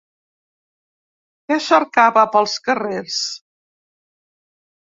Què cercava pels carrers?